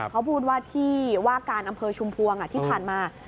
เขาพูดว่าที่ว่าการอำเภอชุมพวงที่ผ่านมา